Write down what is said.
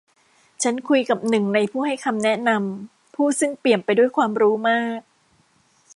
ฉันคุยกับหนึ่งในผู้ให้คำแนะนำ ผู้ซึ่งเปี่ยมไปด้วยความรู้มาก